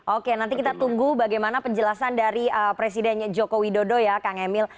oke nanti kita tunggu bagaimana penjelasan dari presiden joko widodo ya kang emil